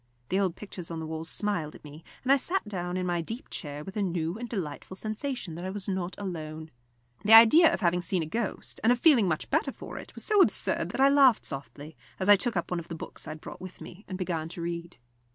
The old pictures on the walls smiled at me, and I sat down in my deep chair with a new and delightful sensation that I was not alone. The idea of having seen a ghost, and of feeling much the better for it, was so absurd that I laughed softly, as I took up one of the books I had brought with me and began to read.